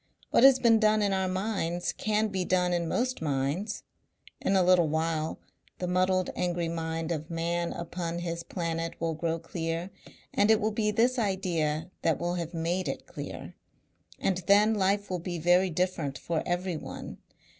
What has been done in our minds can be done in most minds. In a little while the muddled angry mind of Man upon his Planet will grow clear and it will be this idea that will have made it clear. And then life will be very different for everyone.